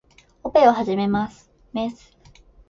オペを始めます。メス